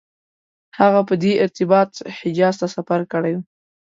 هغه په دې ارتباط حجاز ته سفر کړی و.